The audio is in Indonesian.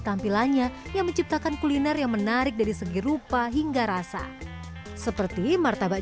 tampilannya yang menciptakan kuliner yang menarik dari segi rupa hingga rasa seperti martabak